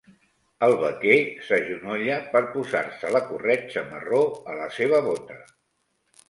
El vaquer s'agenolla per posar-se la corretja marró a la seva bota.